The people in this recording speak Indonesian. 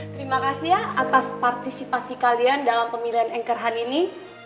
terima kasih ya atas partisipasi kalian dalam pemilihan anchor han ini